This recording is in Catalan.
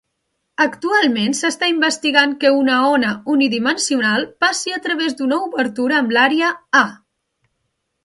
Actualment s'està investigant que una ona "unidimensional" passi a través d'una obertura amb l'àrea "A".